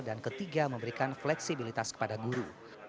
dan ketiga memberikan fleksibilitas kepada guru